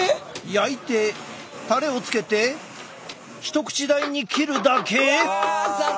焼いてタレをつけて一口大に切るだけ？わ雑。